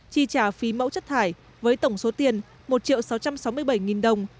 chi trả phí mẫu chất thải với tổng số tiền một sáu trăm sáu mươi bảy đồng